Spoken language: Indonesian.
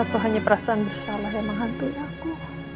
aku hanya perasaan bersalah yang menghantui aku